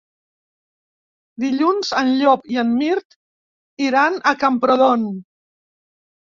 Dilluns en Llop i en Mirt iran a Camprodon.